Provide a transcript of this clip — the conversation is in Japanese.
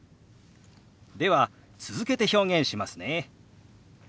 では続けて表現しますね。